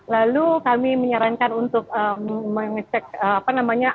lalu kami menyarankan untuk mengecek apa namanya